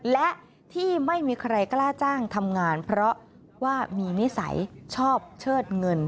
และที่ไม่มีใครกล้าจ้างทำงานเพราะว่ามีนิสัยชอบเชิดเงิน